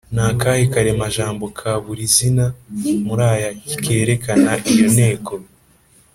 ni akahe karemajambo ka buri zina muri aya kerekana iyo nteko.